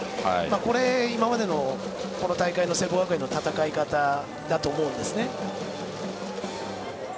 これ、今までのこの大会の聖望学園の戦い方だと思うんですね。